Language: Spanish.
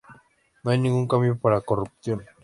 No hay ningún cambio para "Corruption".